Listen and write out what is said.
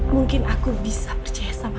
mungkin aku bisa percaya sama kamu mas